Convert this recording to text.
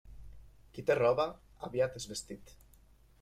Qui té roba, aviat és vestit.